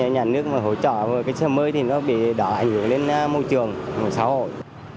nhà nước mà hỗ trợ xe mới thì nó bị đỏ hành hưởng lên môi trường xã hội